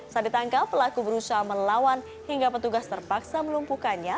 saat ditangkap pelaku berusaha melawan hingga petugas terpaksa melumpuhkannya